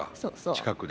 近くで。